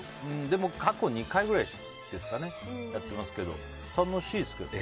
過去２回くらいやってますけど楽しいですけどね。